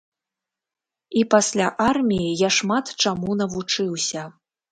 І пасля арміі я шмат чаму навучыўся.